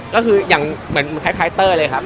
ก็คือย่างอย่าให้แต้ลอยครับ